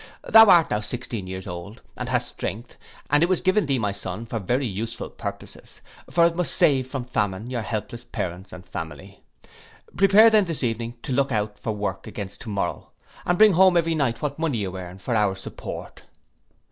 Thou art now sixteen years old, and hast strength, and it was given thee, my son, for very useful purposes; for it must save from famine your helpless parents and family. Prepare then this evening to look out for work against to morrow, and bring home every night what money you earn, for our support.